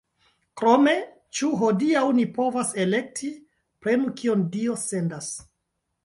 Krome, ĉu hodiaŭ ni povas elekti: prenu, kion Dio sendas!